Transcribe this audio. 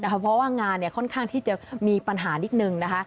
เพราะว่างานค่อนข้างที่จะมีปัญหานิดนึงนะคะ